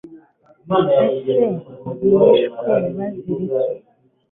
ese bishwe bazira iki